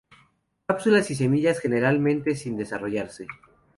Cápsulas y semillas generalmente sin desarrollarse.